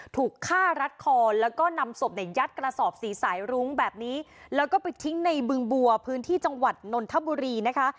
ถูกฆ่ารัดคอแล้วก็นำศพเนี่ยยัดกระสอบสีสายรุ้งแบบนี้แล้วก็ไปทิ้งในบึงบัวพื้นที่จังหวัดนนทบุรีนะคะ